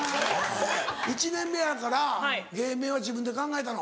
１年目やから芸名は自分で考えたの？